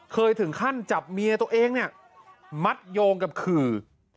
เคยถึงขั้นจับเมียตัวเองเนี่ยมัดโยงกับขื่อ